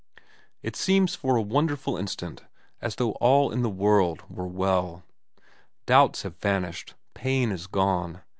It seems for a wonderful instant as though all in the world were well. Doubts have vanished. Pain is gone.